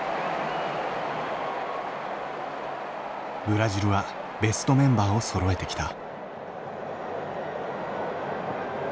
ブラジルはベストメンバーをそろえてきた。